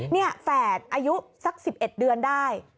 นี่แฝดอายุสัก๑๑เดือนได้